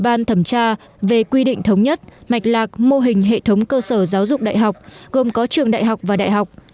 ban thẩm tra về quy định thống nhất mạch lạc mô hình hệ thống cơ sở giáo dục đại học gồm có trường đại học và đại học